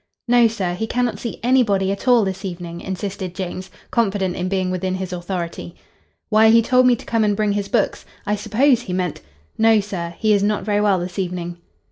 "No, sir. He cannot see anybody at all this evening," insisted James, confident in being within his authority. "Why, he told me to come and bring his books! I suppose he meant—!" "No, sir. He is not very well this evening."